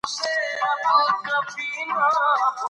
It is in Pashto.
ویل دا ټول مي وکړل، مؤحد یم ،